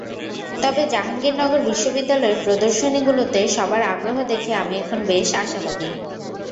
তবে জাহাঙ্গীরনগর বিশ্ববিদ্যালয়ের প্রদর্শনীগুলোতে সবার আগ্রহ দেখে আমি এখন বেশ আশাবাদী।